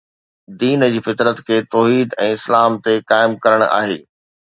دين جي فطرت کي توحيد ۽ اسلام تي قائم ڪرڻ آهي